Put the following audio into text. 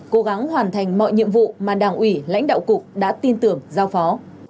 cố gắng hoàn thành mọi nhiệm vụ mà đảng ủy lãnh đạo cục đã tin tưởng giao phó